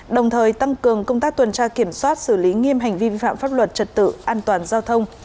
đồng thời tăng cường công tác tuần tra kiểm soát xử lý nghiêm hành vi vi phạm pháp luật trật tự an toàn giao thông